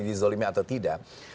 di zalimi atau tidak